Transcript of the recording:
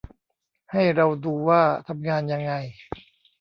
ให้เราดูว่าทำงานยังไง